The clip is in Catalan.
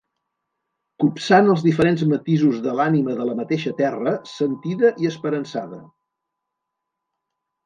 Copsant els diferents matisos de l'ànima de la mateixa terra, sentida i esperançada.